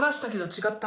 違った。